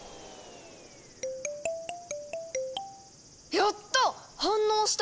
やった！